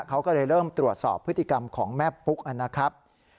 เขาก็เลยเริ่มตรวจสอบพฤติกรรมของแม่ปุ๊กนะครับ